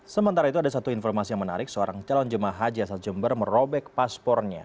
sementara itu ada satu informasi yang menarik seorang calon jemaah haji asal jember merobek paspornya